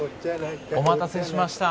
お待たせしました。